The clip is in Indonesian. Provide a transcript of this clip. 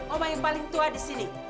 oma yang paling tua di sini